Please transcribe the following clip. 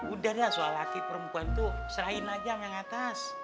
udah deh soal laki perempuan tuh serahin aja yang yang atas